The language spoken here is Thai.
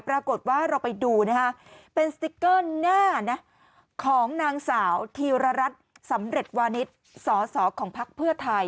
ปรากฏว่าเราไปดูนะฮะเป็นสติ๊กเกอร์หน้าของนางสาวธีรรัฐสำเร็จวานิสสของพักเพื่อไทย